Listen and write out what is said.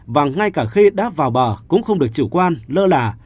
và ngay cả khi đã vào bờ cũng không được chủ quan lơ là